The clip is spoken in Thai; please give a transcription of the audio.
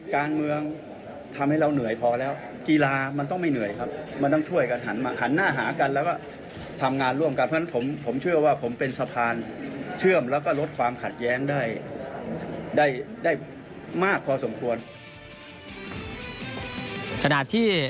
ขณะที่ผลตรวจเอกสมศพุ่มพันม่วงอดีตผู้วิชาการตรวจแห่งเจ้า